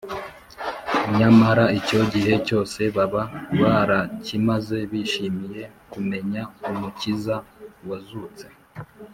nyamara icyo gihe cyose baba barakimaze bishimiye kumenya umukiza wazutse